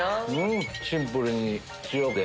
シンプルに塩で。